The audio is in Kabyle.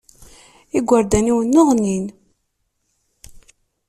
Igerdan-iw nneɣnin.